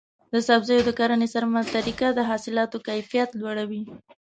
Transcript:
د سبزیو د کرنې سمه طریقه د حاصلاتو کیفیت لوړوي.